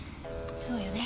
そうよね。